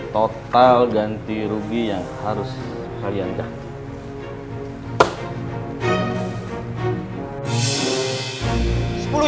total ganti rugi yang harus kalian ganti